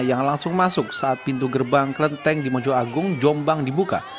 yang langsung masuk saat pintu gerbang kelenteng di mojo agung jombang dibuka